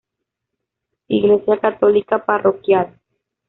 Iglesia católica parroquial.